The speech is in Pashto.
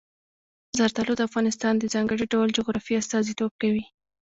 زردالو د افغانستان د ځانګړي ډول جغرافیې استازیتوب کوي.